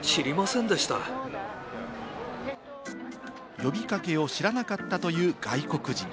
呼び掛けを知らなかったという外国人。